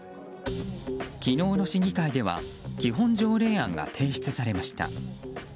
昨日の市議会では基本条例案が提出されました。